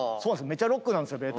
めっちゃロックなんです。